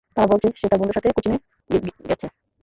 তারা বলছে সে তার বন্ধুর সাথে কোচিনে গিছে।